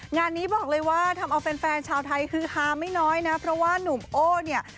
งานนี้บอกเลยว่าทำเอาแฟนชาวไทยคือฮาไม่น้อยนะเพราะว่านุ่มโอ้เนี่ย